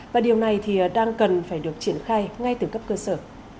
và điều này thì đang cần phải được triển khai ngay từ cấp cơ sở